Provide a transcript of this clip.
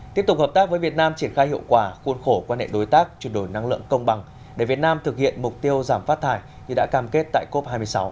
tiếp tục hợp tác với việt nam triển khai hiệu quả khuôn khổ quan hệ đối tác chuyển đổi năng lượng công bằng để việt nam thực hiện mục tiêu giảm phát thải như đã cam kết tại cop hai mươi sáu